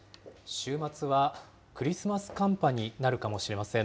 週末はクリスマス寒波になるかもしれません。